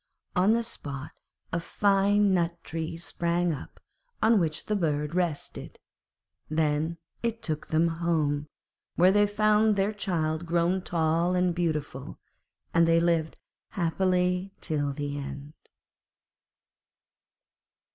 On the spot a fine nut tree sprang up, on which the bird rested; then it took them home, where they found their child grown tall and beautiful, and they lived happily till the end.